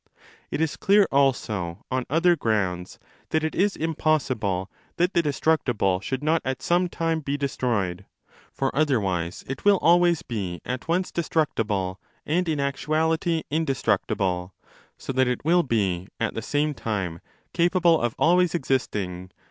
It is clear also on other grounds that it is impossible that'the destructible should not at some time be destroyed. For otherwise it will always be at once destructible and in actuality indestructible,® so that it will be at the same time ' The words ἅμα yap .